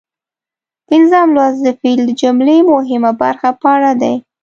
پنځم لوست د فعل د جملې مهمه برخه په اړه دی.